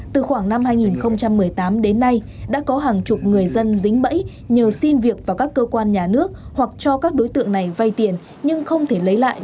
từ khoảng năm hai nghìn một mươi tám đến nay đã có hàng chục người dân dính bẫy nhờ xin việc vào các cơ quan nhà nước hoặc cho các đối tượng này vay tiền nhưng không thể lấy lại